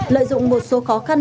lợi dụng một số khó khăn